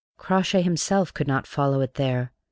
Crawshay himself could not follow it there.